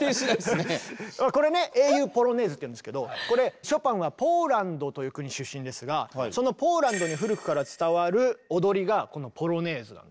これね「英雄ポロネーズ」っていうんですけどショパンはポーランドという国出身ですがそのポーランドに古くから伝わる踊りがこの「ポロネーズ」なんですね。